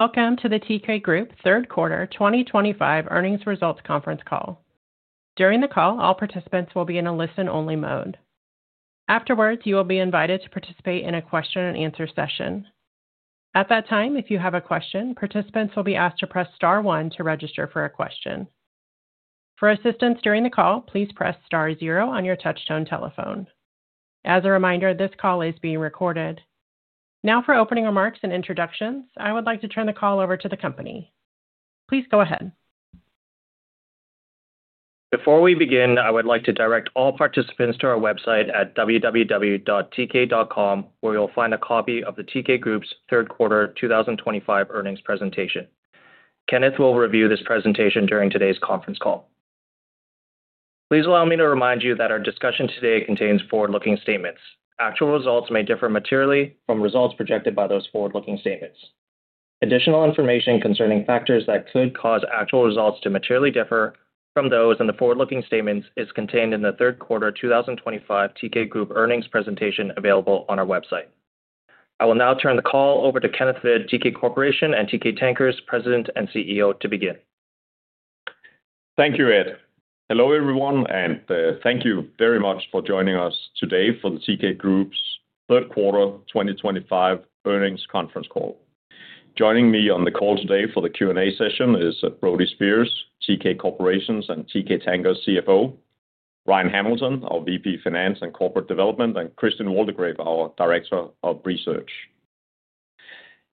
Welcome to the Teekay Group third quarter 2025 earnings results conference call. During the call, all participants will be in a listen-only mode. Afterwards, you will be invited to participate in a question-and-answer session. At that time, if you have a question, participants will be asked to press Star one to register for a question. For assistance during the call, please press star zero on your touchtone telephone. As a reminder, this call is being recorded. Now for opening remarks and introductions, I would like to turn the call over to the company. Please go ahead. Before we begin, I would like to direct all participants to our website at www.teekay.com where you'll find a copy of the Teekay Group's third quarter 2025 earnings presentation. Kenneth will review this presentation during today's conference call. Please allow me to remind you that our discussion today contains forward-looking statements. Actual results may differ materially from results projected by those forward-looking statements. Additional information concerning factors that could cause actual results to materially differ from those in the forward-looking statements is contained in the third quarter 2025 Teekay Group earnings presentation available on our website. I will now turn the call over to Kenneth Hvid, Teekay Corporation and Teekay Tankers President and CEO, to begin. Thank you, Ed. Hello everyone, and thank you very much for joining us today for the Teekay Group's third quarter 2025 earnings conference call. Joining me on the call today for. The Q&A session is Brody Speers, Teekay Corporation and Teekay Tankers CFO. Ryan Hamilton, our Vice President, Finance and Corporate Development, and Christian Waldegrave, our Director of Research.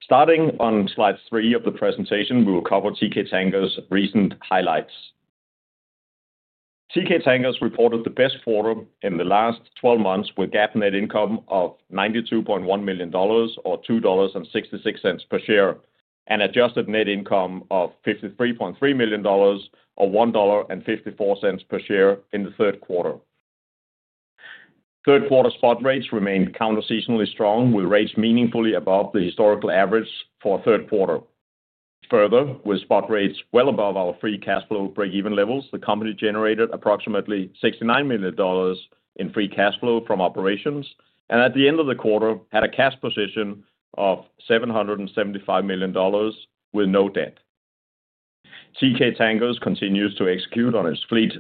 Starting on slide 3 of the presentation, we will cover Teekay Tankers' recent highlights. Teekay Tankers reported the best quarter in the last 12 months with GAAP net income of $92.1 million or $2.66 per share, an adjusted net income of $53.3 million or $1.54 per share in the third quarter. Third quarter spot rates remained counter seasonally strong, with rates meaningfully above the historical average for the third quarter. Further, with spot rates well above our free cash flow break even levels, the company generated approximately $69 million in free cash flow from operations, and at the end of the quarter had a cash position of $775 million with no debt. Teekay Tankers continues to execute on its Fleet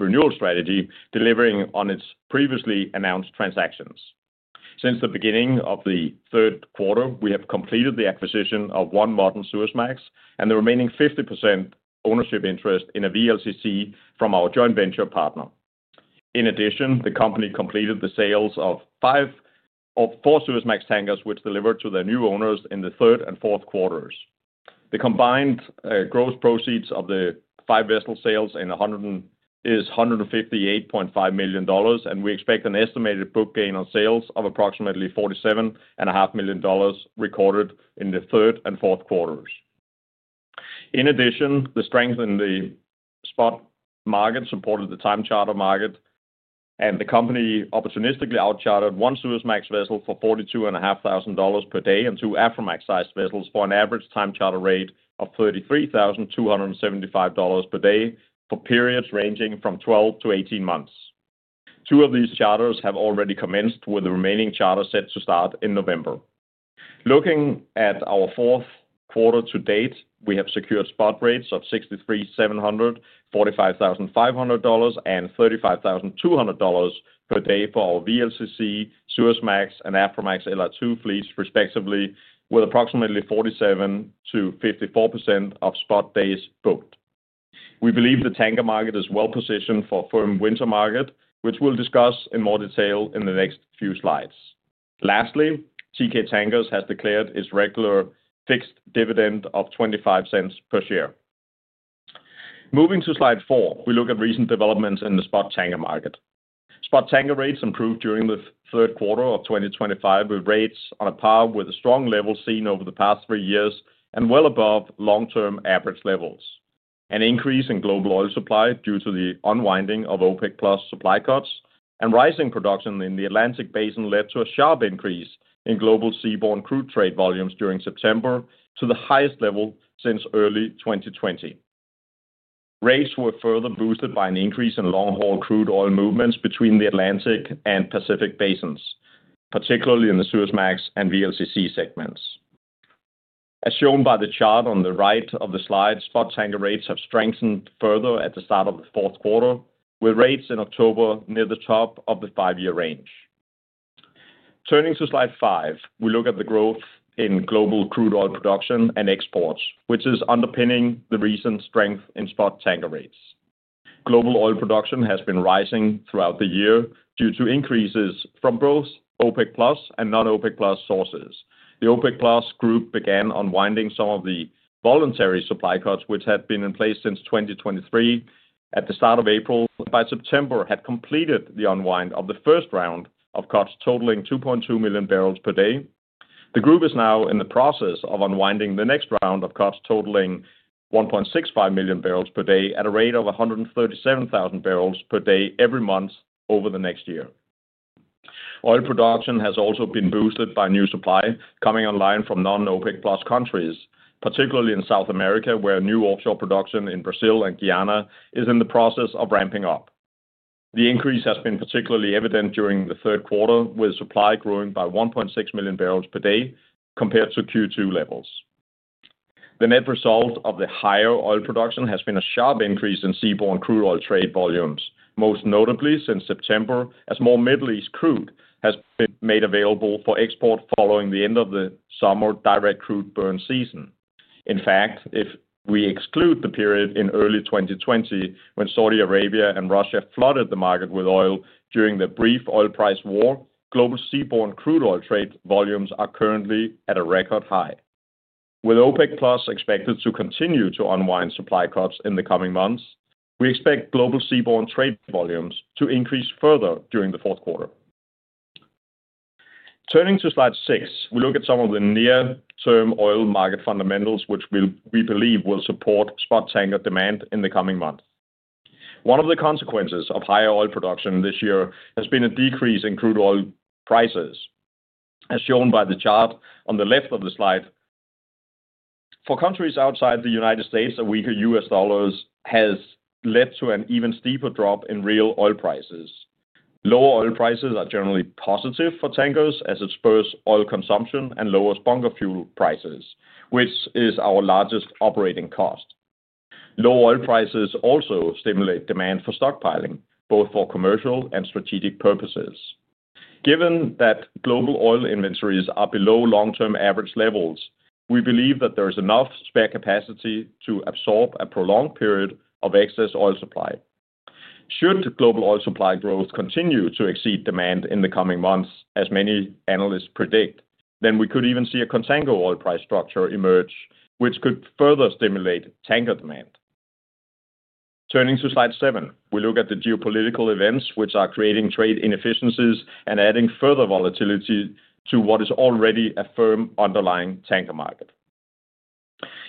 Renewal strategy, delivering on its previously announced transactions. Since the beginning of the third quarter, we have completed the acquisition of one modern Suezmax and the remaining 50% ownership interest in a VLCC from our joint venture partner. In addition, the company completed the sales of five Suezmax tankers, which delivered to their new owners in the third and fourth quarters. The combined gross proceeds of the five vessel sales is $158.5 million, and we expect an estimated book gain on sales of approximately $47.5 million recorded in the third and fourth quarters. In addition, the strength in the spot market supported the time charter market, and the company opportunistically out-chartered one Suezmax vessel for $42,500 per day and two Aframax sized vessels for an average time charter rate of $33,275 per day for periods ranging from 12-18 months. Two of these charters have already commenced, with the remaining charter set to start in November. Looking at our fourth quarter to date, we have secured spot rates of $63,745, $45,500, and $35,200 per day for our VLCC, Suezmax, and Aframax/LR2 fleets respectively, with approximately 47%-54% of spot days booked. We believe the tanker market is well positioned for a firm winter market, which we'll discuss in more detail in the next few slides. Lastly, Teekay Tankers has declared its regular fixed dividend of $0.25 per share. Moving to slide 4, we look at recent developments in the spot tanker market. Spot tanker rates improved during the third quarter of 2023, with rates on a par with the strong level seen over the past three years and well above long term average levels. An increase in global oil supply due to the unwinding of OPEC supply cuts and rising production in the Atlantic Basin led to a sharp increase in global seaborne crude trade volumes during September to the highest level since early 2020. Rates were further boosted by an increase in long haul crude oil movements between the Atlantic and Pacific basins, particularly in the Suezmax and VLCC segments, as shown by the chart on the right of the slide. Spot tanker rates have strengthened further at the start of the fourth quarter, with rates in October near the top of the five year range. Turning to slide five, we look at the growth in global crude oil production and exports, which is underpinning the recent strength in spot tanker rates. Global oil production has been rising throughout the year due to increases from both OPEC and non-OPEC sources. The OPEC group began unwinding some of the voluntary supply cuts which had been in place since 2023 at the start of April. By September, had completed the unwind of the first round of cuts totaling 2.2 million bbl per day. The group is now in the process of unwinding the next round of cuts, totaling 1.65 million bbl per day at a rate of 137,000 bbl per day every month over the next year. Oil production has also been boosted by new supply coming online from non-OPEC countries, particularly in South America, where new offshore production in Brazil and Guyana is in the process of ramping up. The increase has been particularly evident during the third quarter, with supply growing by 1.6 million bbl per day compared to Q2 levels. The net result of the higher oil production has been a sharp increase in seaborne crude oil trade volumes, most notably since September as more Middle East crude has been made available for export following the end of the seaborne summer direct crude burn season. In fact, if we exclude the period. In early 2020, when Saudi Arabia and. Russia flooded the market with oil during the brief oil price war, global seaborne crude oil trade volumes are currently at a record high. With OPEC expected to continue to unwind supply cuts in the coming months, we expect global seaborne trade volumes to increase further during the fourth quarter. Turning to Slide 6, we look at some of the near term oil market fundamentals which we believe will support spot tanker demand in the coming months. One of the consequences of higher oil production this year has been a decrease in crude oil prices, as shown by the chart on the left of the slide. For countries outside the United States, a weaker US dollar has led to an even steeper drop in real oil prices. Lower oil prices are generally positive for tankers as it spurs oil consumption and lowers bunker fuel prices, which is our largest operating cost. Low oil prices also stimulate demand for stockpiling both for commercial and strategic purposes. Given that global oil inventories are below long term average levels, we believe that there is enough spare capacity to absorb a prolonged period of excess oil supply. Should global oil supply growth continue to exceed demand in the coming months, as many analysts predict, then we could even see a contango oil price structure emerge which could further stimulate tanker demand. Turning to Slide 7, we look at the geopolitical events which are creating trade inefficiencies and adding further volatility to what is already a firm underlying tanker market.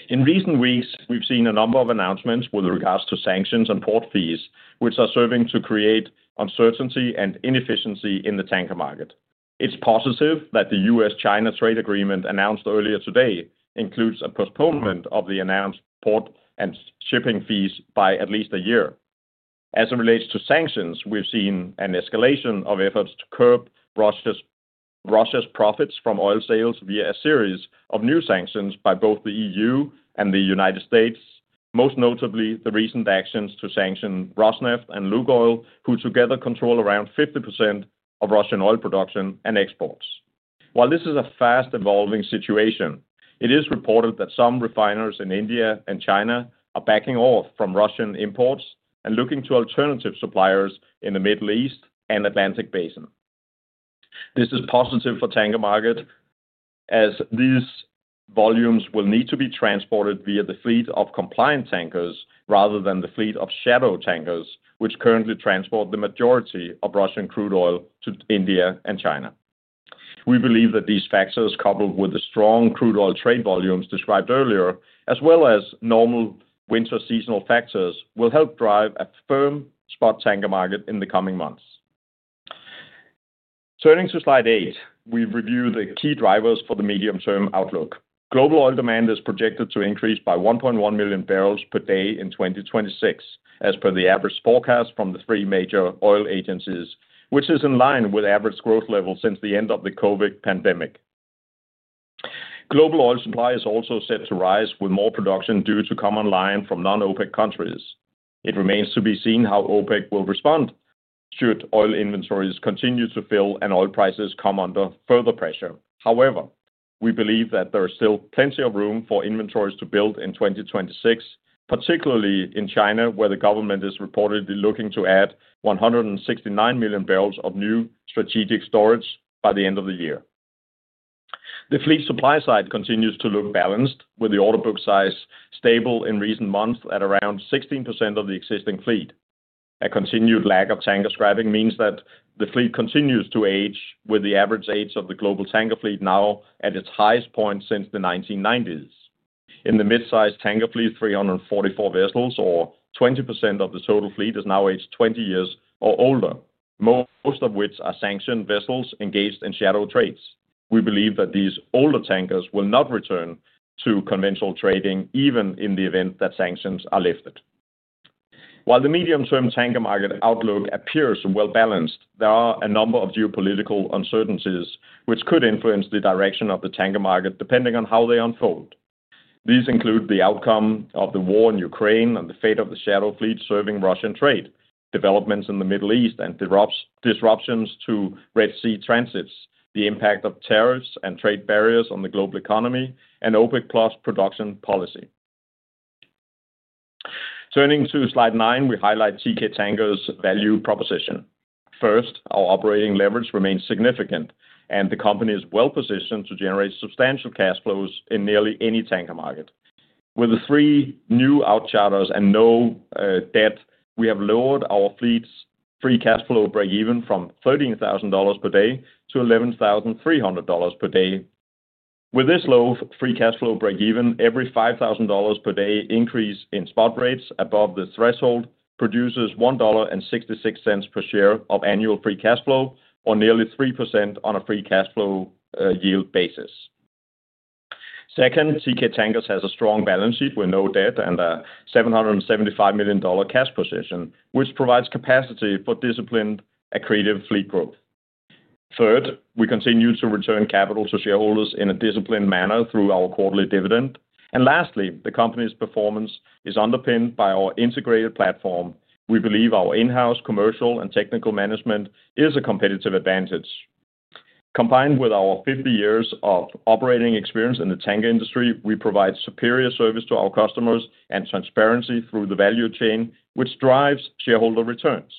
In recent weeks we've seen a number of announcements with regards to sanctions and port fees which are serving to create uncertainty and inefficiency in the tanker market. It's positive that the US-China Trade Agreement announced earlier today includes a postponement of the announced port and shipping fees by at least a year. As it relates to sanctions, we've seen an escalation of efforts to curb Russia's profits from oil sales via a series of new sanctions by both the EU and the United States, most notably the recent actions to sanction Rosneft and Lukoil, who together control around 50% of Russian oil production and exports. While this is a fast evolving situation, it is reported that some refiners in India and China are backing off from Russian imports and looking to alternative suppliers in the Middle East and Atlantic Basin. This is positive for the tanker market as these volumes will need to be transported via the fleet of compliant tankers rather than the fleet of shadow tankers which currently transport the majority of Russian crude oil to India and China. We believe that these factors, coupled with the strong crude oil trade volumes described earlier as well as normal winter seasonal factors, will help drive a firm spot tanker market in the coming months. Turning to Slide 8, we review the key drivers for the medium term outlook. Global oil demand is projected to increase by 1.1 million bbl per day in 2026 as per the average forecast from the three major oil agencies, which is in line with the average growth level since the end of the COVID pandemic. Global oil supply is also set to rise with more production due to coming online from non-OPEC countries. It remains to be seen how OPEC will respond should oil inventories continue to fill and oil prices come under further pressure. However, we believe that there is still plenty of room for inventories to build in 2026, particularly in China where the government is reportedly looking to add 169 million bbl of new strategic storage by the end of the year. The fleet supply side continues to look balanced, with the order book size stable in recent months at around 16% of the existing fleet. A continued lack of tanker scrapping means that the fleet continues to age, with the average age of the global tanker fleet now at its highest point since the 1990s. In the mid-sized tanker fleet, 344 vessels, or 20% of the total fleet, are now aged 20 years or older, most of which are sanctioned vessels engaged in shadow trades. We believe that these older tankers will not return to conventional trading even in the event that sanctions are lifted. While the medium term tanker market outlook appears well balanced, there are a number of geopolitical uncertainties which could influence the direction of the tanker market depending on how they unfold. These include the outcome of the war in Ukraine and the fate of the shadow fleet serving Russian trade, developments in the Middle East and disruptions to Red Sea transits, the impact of tariffs and trade barriers on the global economy, and OPEC production policy. Turning to Slide 9, we highlight Teekay Tankers' value proposition. First, our operating leverage remains significant and the company is well positioned to generate substantial cash flows in nearly any tanker market. With the three new out charters and no debt, we have lowered our fleet's free cash flow break even from $13,000 per day to $11,300 per day. With this low free cash flow breakeven, every $5,000 per day increase in spot rates above the threshold produces $1.66 per share of annual free cash flow or nearly 3% on a free cash flow yield basis. Second, Teekay Tankers has a strong balance sheet with no debt and a $775 million cash position, which provides capacity for disciplined accretive fleet growth. Third, we continue to return capital to shareholders in a disciplined manner through our quarterly dividend. Lastly, the company's performance is underpinned by our integrated platform. We believe our in-house commercial and technical management is a competitive advantage. Combined with our 50 years of operating experience in the tanker industry, we provide superior service to our customers and transparency through the value chain, which drives shareholder returns.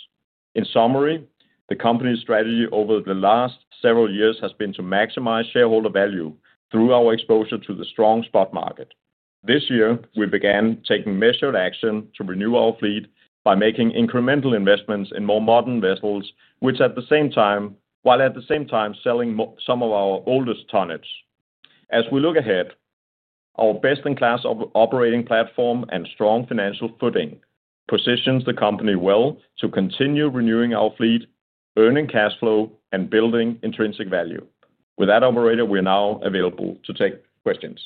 In summary, the company's strategy over the last several years has been to maximize shareholder value through our exposure to the strong spot market. This year we began taking measured action to renew our fleet by making incremental investments in more modern vessels, while at the same time selling some of our oldest tonnage. As we look ahead, our best-in-class operating platform and strong financial footing positions the company well to continue renewing our fleet, earning cash flow, and building intrinsic value. With that, operator, we are now available to take questions.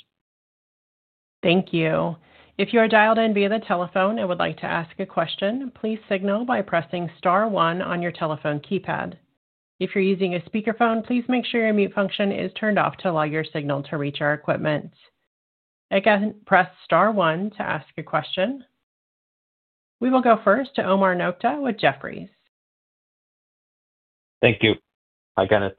Thank you. If you are dialed in via the telephone and would like to ask a question, please signal by pressing star one on your telephone keypad. If you're using a speakerphone, please make sure your mute function is turned off to allow your signal to reach our equipment. Again, press star one to ask a question. We will go first to Omar Nokta with Jefferies. Thank you. Hi Kenneth,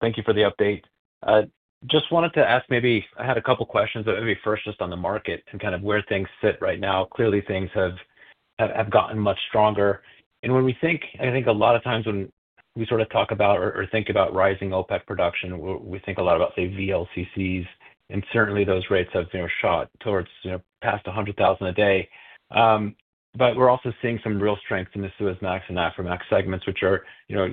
thank you for the update. I just wanted to ask, maybe I had a couple questions, maybe first just on the market and kind of where things sit right now. Clearly, things have gotten much stronger, and when we think, I think a lot of times when we sort of talk about or think about rising OPEC production, we think a lot about, say, VLCCs, and certainly those rates have shot towards past $100,000 a day. We're also seeing some real strength in the Suezmax and Aframax segments, which are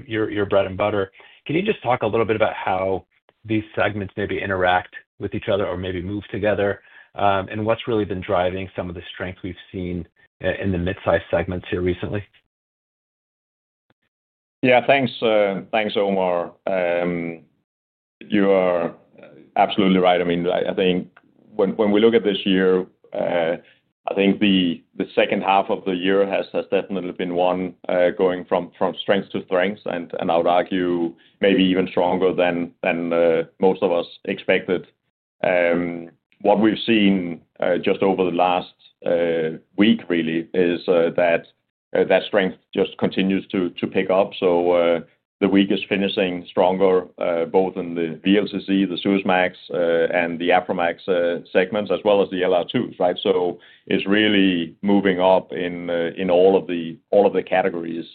your bread and butter. Can you just talk a little bit about how these segments maybe interact with each other or maybe move together, and what's really been driving some of the strength we've seen in the midsize segments here recently? Yeah, thanks, Omar. You are absolutely right. I mean, I think when we look at this year, the second half of the year has definitely been one going from strength to strength, and I would argue maybe even stronger than most of us expected. What we've seen just over the last week, really, is that that strength just continues to pick up. The weakest, finishing stronger, both in the VLCC, the Suezmax, and the Aframax segments, as well as the LR2s. Right. It is really moving up in all of the categories.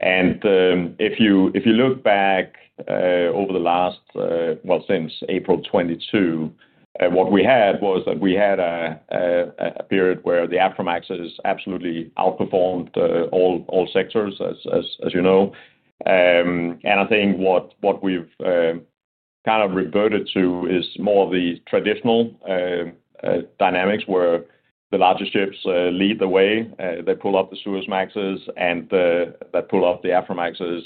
If you look back over the last, well, since April 2022, what we had was that we had a period where the Aframax absolutely outperformed. All sectors, as you know. I think what we've kind of reverted to is more the traditional dynamics where the largest ships lead the way. They pull up the Suezmaxes. That pull up the Afromaxes.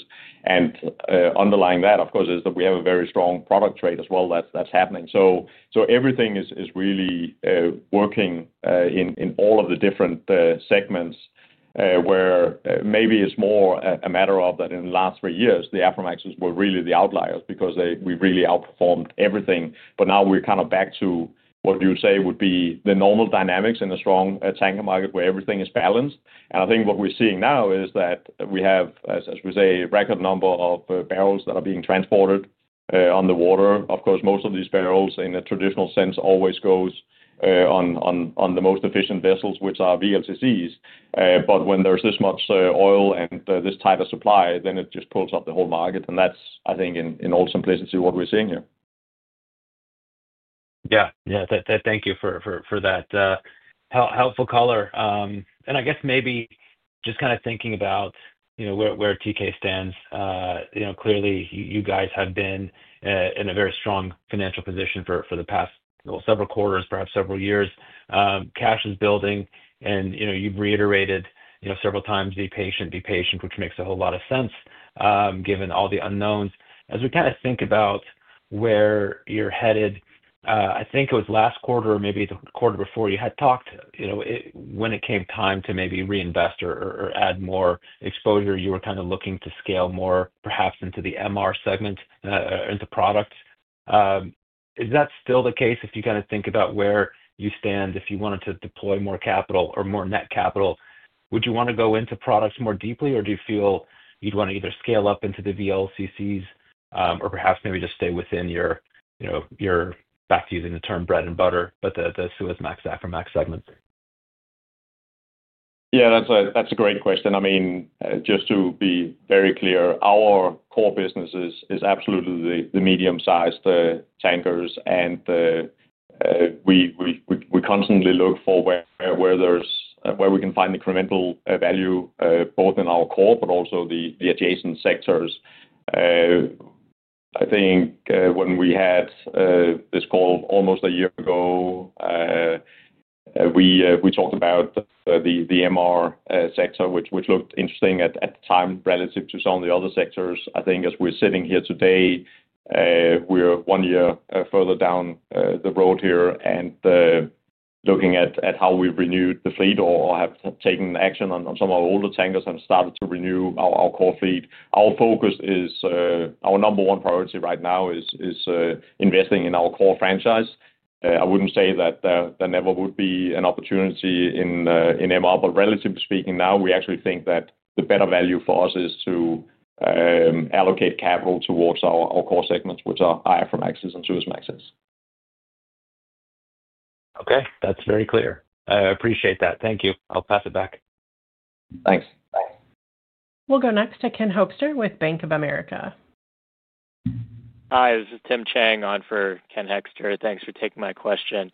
Underlying that, of course, is that we have a very strong product trade as well. That's happening. Everything is really working in all of the different segments where maybe it's more a matter of that. In the last three years, the Aframaxes were really the outliers because we really outperformed everything. Now we're kind of back to what you say would be the normal. Dynamics in a strong tanker market where everything is balanced. I think what we're seeing now is that we have, as we say. A record number of barrels. Being transported on the water. Of course, most of these barrels, in a traditional sense, always go on the most efficient vessels, which are VLCCs. When there's this much oil and. This tighter supply, it just pulls up the whole market. I think, in all simplicity. What we're seeing here. Yeah, thank you for that helpful color. I guess maybe just kind of thinking about where Teekay stands. Clearly, you guys have been in a very strong financial position for the past, well, several quarters, perhaps several years, cash is building. You know, you've reiterated, you know, several times, be patient, be patient, which makes a whole lot of sense given all the unknowns as we kind of think about where you're headed. I think it was last quarter or maybe the quarter before you had talked, you know, when it came time to maybe reinvest or add more exposure, you were kind of looking to scale more perhaps into the MR segment into product. Is that still the case? If you kind of think about where you stand, if you wanted to deploy more capital or more net capital, would you want to go into products more deeply or do you feel you'd want to either scale up into the VLCCs or perhaps maybe just stay within your, you know, you're back to using the term bread and butter, but the Suezmax, Aframax segments. Yeah, that's a great question. Just to be very clear, our core business is absolutely the medium sized tankers. We constantly look for. Where we can find incremental value both in our core but also the adjacent sectors. I think when we had this call almost a year ago, we talked about the MR, which looked interesting at the time relative to some of the other sectors. I think as we're sitting here today, we are one year further down the road here and looking at how we've renewed the fleet or have taken action. On some of our older tankers. Started to renew our core fleet. Our focus is our number one priority right now is investing in our core franchise. I wouldn't say that there never would be an opportunity in MR, but relatively speaking, now we actually think that the better value for us is to allocate capital towards our core segments. Which are Aframax and Suezmaxes. Okay, that's very clear. I appreciate that. Thank you. I'll pass it back. Thanks. We'll go next to Ken Hoexter with Bank of America. Hi, this is Tim Chang on for Ken Hoexter. Thanks for taking my question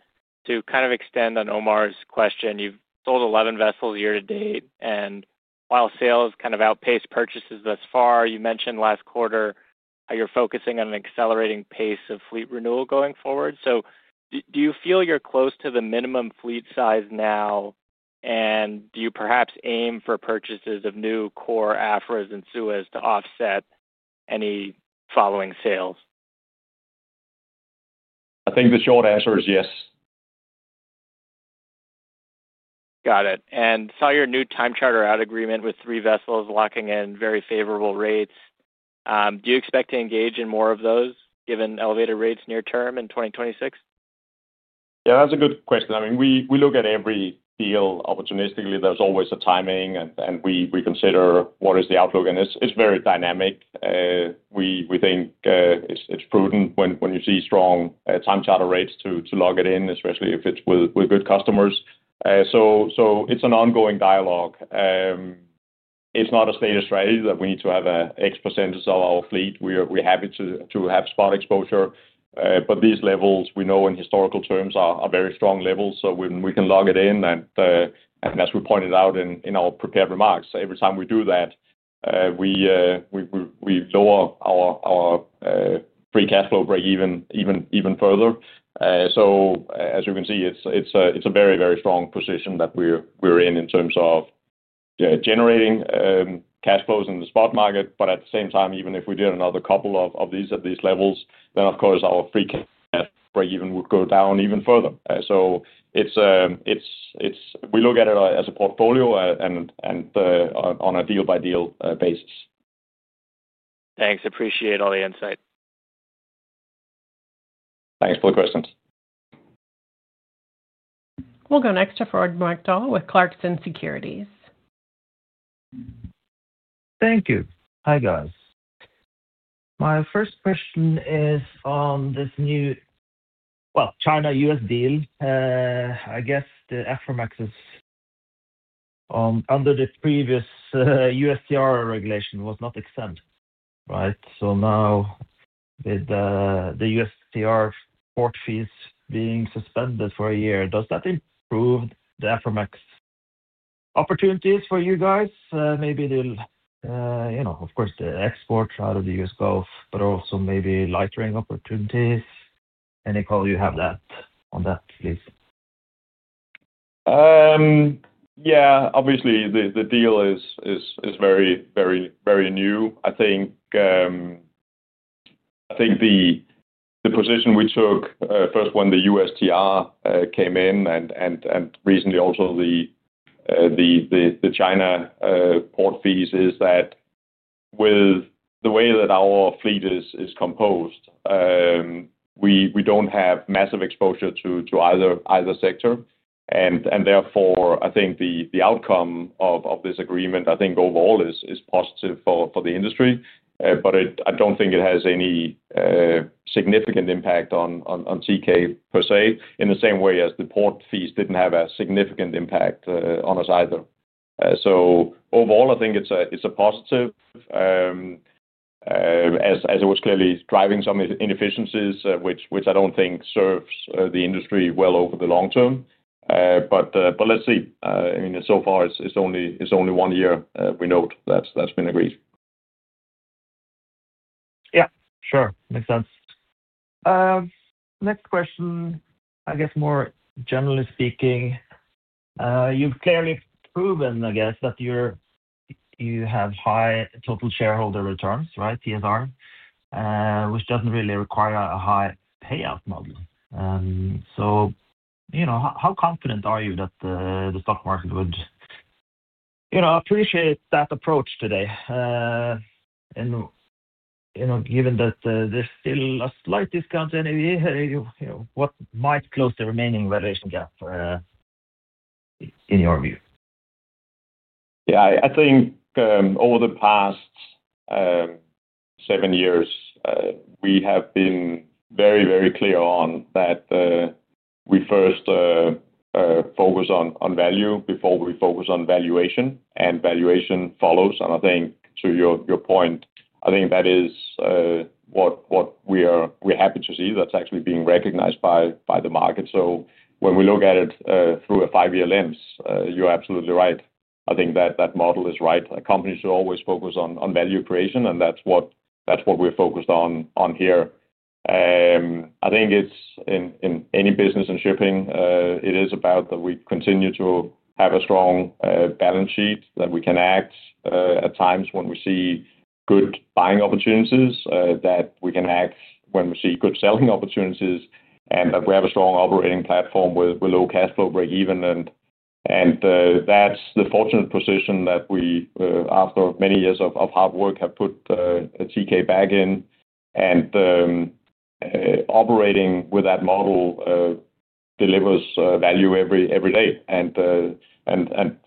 to kind of extend on Omar's question. You've sold 11 vessels year-to-date, and while sales kind of outpace purchases thus far, you mentioned last quarter you're focusing on an accelerating pace of fleet renewal going forward. Do you feel you're close to the minimum fleet size now, and do you perhaps aim for purchases of new core Aframax and Suezmax to offset any following sales? I think the short answer is yes. Got it. I saw your new time charter out agreement with three vessels locking in very favorable rates. Do you expect to engage in more of those given elevated rates near term in 2026? Yeah, that's a good question. I mean, we look at every deal opportunistically. There's always a timing, and we consider what is the outlook, and it's very dynamic. We think it's prudent when you see strong time charter rates to log it in, especially if it's with good customers. It's an ongoing dialogue. It's not a state of strategy. We need to have an X% of our fleet. We have to have spot exposure. At these levels, we know in historical terms are very strong levels. Can log it in. As we pointed out in our prepared remarks, every time we do that, we lower our free cash flow break even further. You can see it's a very, very strong position that we're in in terms of generating cash flows in the spot market. At the same time, even if we did another couple of these at these levels, our free cash break even would go down even further. We look at it as a. Portfolio and on a deal-by-deal basis. Thanks. Appreciate all the insight. Thanks for the questions. We'll go next to Frode Morkedal with Clarksons Securities. Thank you. Hi guys. My first question is on this new China-US deal. I guess the Aframax is under the previous USTR regulation was not exempt, right? Now with the USTR port fees being suspended for a year, does that improve the aforementioned opportunities for you guys? Maybe they'll, you know, of course the export out of the U.S. Gulf, but also maybe lightering opportunities. Any call you have on that, please? Yeah, obviously the deal is very, very new. I think the position we. When the USTR came in and recently also the China port fees, with the way that our fleet is composed, we don't have massive exposure to either sector. Therefore, I think the outcome of this agreement overall is positive for the industry. I don't think it has any significant impact on Teekay per se in the same way as the port fees didn't have a significant impact on us either. Overall, I think it's a positive. As it was clearly driving some inefficiencies, which I don't think serves the industry well over the long term. Let's see, so far it's only one year. We note that's been agreed. Yeah, sure. Makes sense. Next question. I guess more generally speaking, you've clearly proven that you have high total shareholder returns, right? TSR, which doesn't really require a high payout model. You know, how confident are you that the stock market would appreciate that approach today? You know, given that there's still a slight discount, what might close the remaining valuation gap in your view? Yeah, I think over the past seven years, we have been very, very clear on that. We first focus on value before we focus on valuation, and valuation follows. I think to your point, that is what we're happy to see that's actually being recognized by the market. When we look at it through a five year lens, you're absolutely right. I think that model is right. A company should always focus on value creation, and that's what we're focused on here. I think in any business in shipping, it is about that we continue to have a strong balance sheet, that we can act at times when. We see good buying opportunities that we. Can act when we see good selling opportunities. We have a strong operating platform with low cash flow breakeven. That's the fortunate position that we, after many years of hard work, have put Teekay back in, and operating with that model delivers value every day.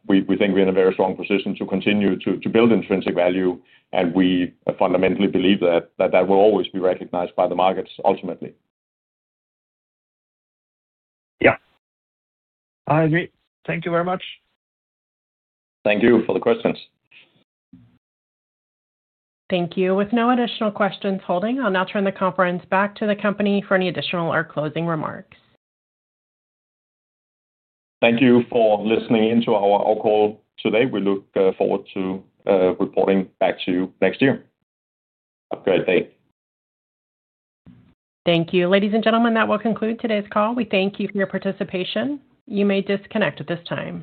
We think we're in a very strong position to continue to build intrinsic value. We fundamentally believe that that will. Always be recognized by the markets, ultimately. Yeah, I agree. Thank you very much. Thank you for the questions. Thank you. With no additional questions holding, I'll now turn the conference back to the company for any additional or closing remarks. Thank you for listening in to our call today. We look forward to reporting back to you next year. Have a great day. Thank you. Ladies and gentlemen, that will conclude today's call. We thank you for your participation. You may disconnect at this time.